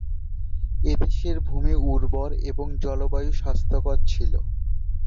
এদেশের ভূমি উর্বর এবং জলবায়ু স্বাস্থ্যকর ছিল।